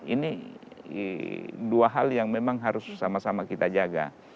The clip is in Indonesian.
ini dua hal yang memang harus sama sama kita jaga